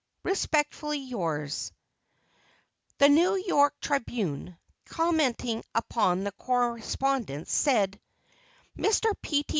Respectfully yours, The New York Tribune, commenting upon the correspondence, said: Mr. P. T.